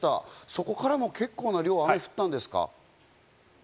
そこからも結構な量の雨が降ったんですか？